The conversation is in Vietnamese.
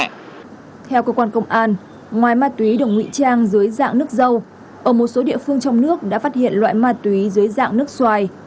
theo cơ quan công an ngoài ma túy được ngụy trang dưới dạng nước dâu ở một số địa phương trong nước đã phát hiện loại ma túy dưới dạng nước xoài